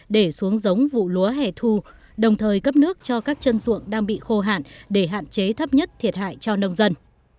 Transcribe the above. để xuống giống vụ lúa hẻ thu đồng thời cấp nước cho các chân ruộng đang bị khô hạn để hạn chế thấp nhất thiệt hại cho nông dân